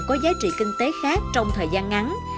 có giá trị kinh tế khác trong thời gian ngắn